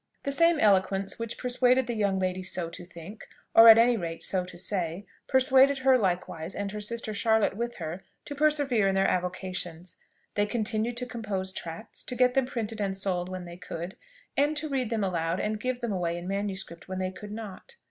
The same eloquence which persuaded the young lady so to think, or at any rate, so to say, persuaded her likewise, and her sister Charlotte with her, to persevere in their avocations. They continued to compose tracts, to get them printed and sold when they could, and to read them aloud and give them away in manuscript when they could not.